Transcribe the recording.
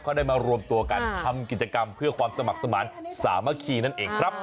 เขาได้มารวมตัวกันทำกิจกรรมเพื่อความสมัครสมาธิสามัคคีนั่นเองครับ